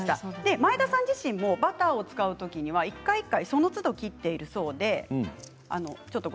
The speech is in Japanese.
前田さん自身もバターを使う時に一回一回、そのつど切っているそうです。